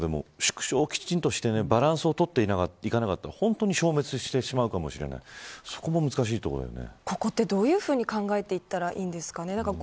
でもミラちゃん縮小をきちんとしてバランスを取っていかなかったら本当に消滅してしまうかもしれないそこも難しいところだよね。